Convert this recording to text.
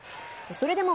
それでも